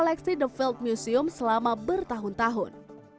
dan bagian dari koleksi the field museum selama bertahun tahun